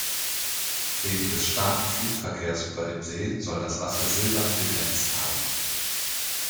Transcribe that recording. Wegen des starken Flugverkehrs über dem See soll das Wasser silbern geglänzt haben.